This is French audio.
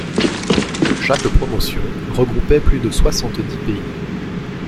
Chaque promotion regroupait plus de soixante-dix pays.